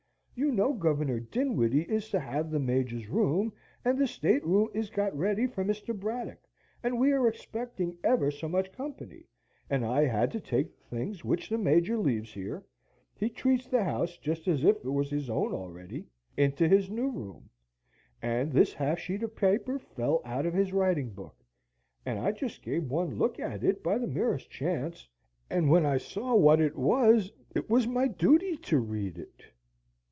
You know Governor Dinwiddie is to have the Major's room, and the state room is got ready for Mr. Braddock, and we are expecting ever so much company, and I had to take the things which the Major leaves here he treats the house just as if it was his own already into his new room, and this half sheet of paper fell out of his writing book, and I just gave one look at it by the merest chance, and when I saw what it was it was my duty to read it."